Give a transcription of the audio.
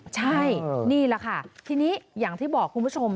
ใช่นี่แหละค่ะทีนี้อย่างที่บอกคุณผู้ชม